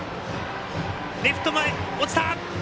レフト前、落ちた！